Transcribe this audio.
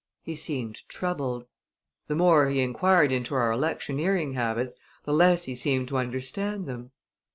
He seemed troubled. The more he inquired into our electioneering habits, the less he seemed to understand them.